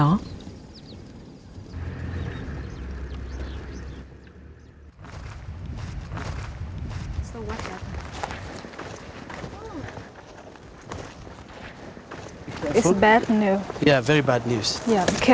chúng tôi phải đi về